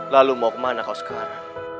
lalu mau kemana kau sekarang